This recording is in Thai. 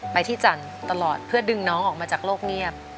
ไปที่จันทร์ตลอดเพื่อดึงน้องออกมาจากโลกเงียบ